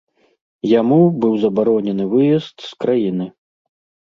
Яму быў забаронены выезд з краіны.